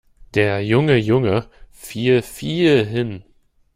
Der junge Junge fiel viel hin.